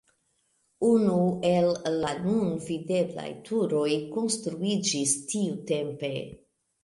Unu el la nun videblaj turoj konstruiĝis tiutempe.